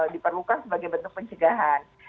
diperlukan sebagai bentuk pencegahan